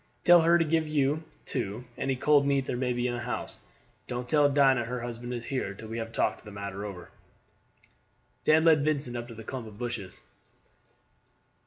Tell her to give you, too, any cold meat there may be in the house. Don't tell Dinah her husband is here till we have talked the matter over." Dan led Vincent up to a clump of bushes.